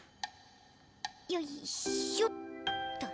よいしょっと。